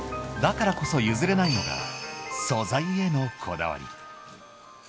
だからこそ譲れないのが素材へのこだわり。